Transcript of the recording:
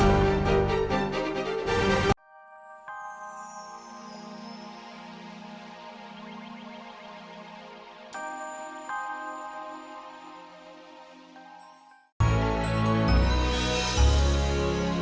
ini gak mungkin